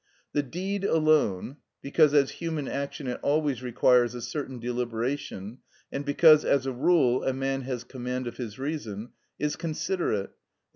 The deed alone,—because as human action it always requires a certain deliberation, and because as a rule a man has command of his reason, is considerate, _i.